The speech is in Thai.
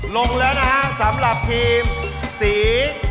ลงแล้วนะฮะสำหรับทีมสี